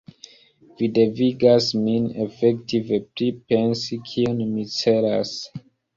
Vi devigas min efektive pripensi, kion mi celas.